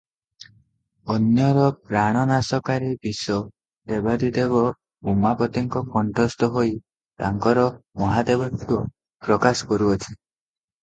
ଅନ୍ୟର ପ୍ରାଣନାଶକାରି ବିଷ ଦେବାଧିଦେବ ଉମାପତିଙ୍କ କଣ୍ଠସ୍ଥ ହୋଇ ତାଙ୍କର ମହାଦେବତ୍ୱ ପ୍ରକାଶ କରୁଅଛି ।